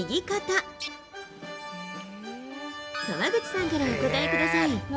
川口さんからお答えください。